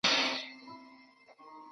خلکو ته ډاډ ورکول د دې لیکنې اصلي موخه ده.